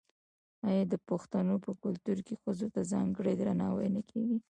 آیا د پښتنو په کلتور کې ښځو ته ځانګړی درناوی نه کیږي؟